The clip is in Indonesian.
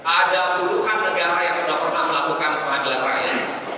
ada puluhan negara yang sudah pernah melakukan peradilan rakyat